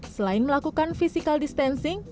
selain melakukan physical distancing